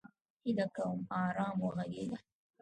هیله کوم! ارام وغږیږه!